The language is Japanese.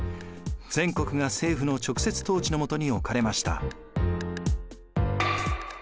全国が政府の直接統治のもとに置かれました。